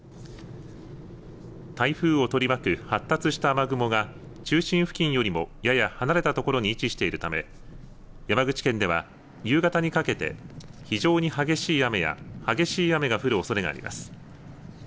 台風を取り巻く発達した雨雲が中心付近よりもやや離れたところに位置しているため、山口県では夕方にかけて非常に激しい雨が降るおそれがあります。